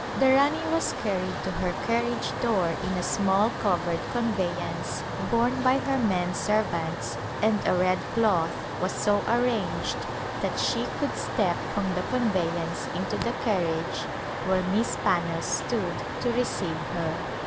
The Rani was carried to her carriage door in a small covered conveyance borne by her men servants and a red cloth was so arranged that she could step from the conveyance into the carriage where Miss Pannell stood to receive her.